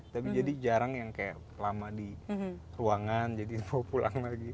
tapi jadi jarang yang kayak lama di ruangan jadi mau pulang lagi